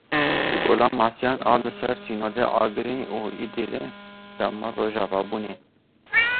Li Gola Masiyan a li ser sînorê Agirî û Îdirê dema rojavabûnê.